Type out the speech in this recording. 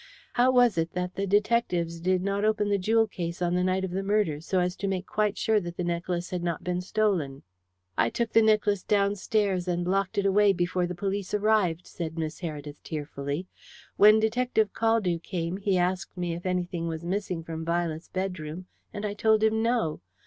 "How was it that the detectives did not open the jewel case on the night of the murder, so as to make quite sure that the necklace had not been stolen?" "I took the necklace downstairs and locked it away before the police arrived," said Miss Heredith tearfully. "When Detective Caldew came he asked me if anything was missing from Violet's bedroom, and I told him no.